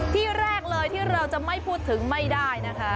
ที่แรกเลยที่เราจะไม่พูดถึงไม่ได้นะคะ